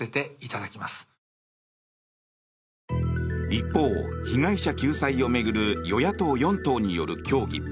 一方、被害者救済を巡る与野党４党による協議。